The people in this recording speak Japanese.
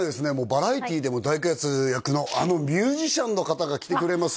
バラエティーでも大活躍のあのミュージシャンの方が来てくれます